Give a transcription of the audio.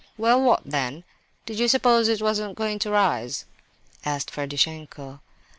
"Well, what then? Did you suppose it wasn't going to rise?" asked Ferdishenko.